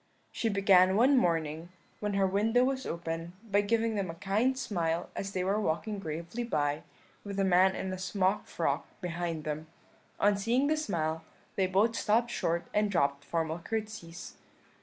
"She began one morning, when her window was open, by giving them a kind smile as they were walking gravely by, with a man in a smock frock behind them. On seeing this smile they both stopped short and dropped formal curtseys.